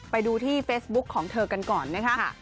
ไปดูที่เฟซบุ๊คของเธอกันก่อนนะคะ